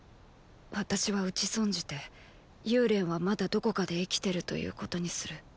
私は討ち損じて幽連はまだどこかで生きてるということにする。